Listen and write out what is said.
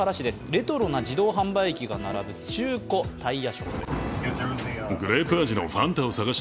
レトロな自動販売機が並ぶ中古タイヤショップ。